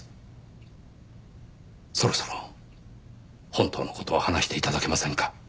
そろそろ本当の事を話して頂けませんか？